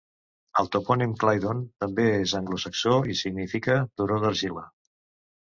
El topònim Claydon també és anglosaxó i significa "turó d'argila".